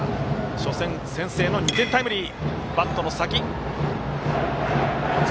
初戦、先制の２点タイムリー。